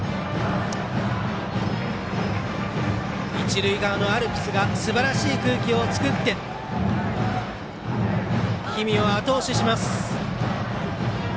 一塁側のアルプスがすばらしい空気を作って氷見をあと押しします。